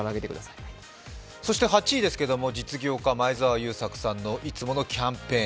そして８位ですが、実業家・前澤友作さんのいつものキャンペーン。